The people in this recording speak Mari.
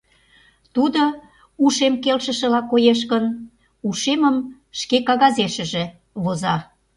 Тудо, ушем келшышыла коеш гын, ушемым шке кагазешыже воза.